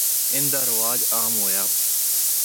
ان دا رواج عام ہویا۔